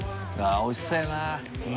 おいしそうやな！